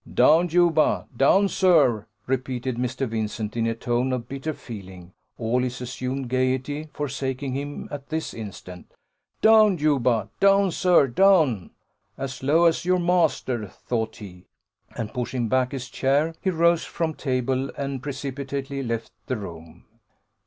"Down, Juba! down, sir!" repeated Mr. Vincent, in a tone of bitter feeling, all his assumed gaiety forsaking him at this instant: "Down, Juba! down, sir, down!" as low as your master, thought he; and pushing back his chair, he rose from table, and precipitately left the room.